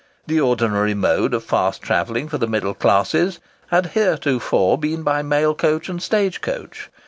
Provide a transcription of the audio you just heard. The ordinary mode of fast travelling for the middle classes had heretofore been by mail coach and stage coach.